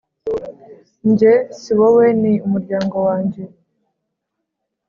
njye: si wowe ni umuryango wanjye